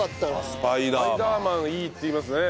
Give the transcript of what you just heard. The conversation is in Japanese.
『スパイダーマン』いいって言いますね。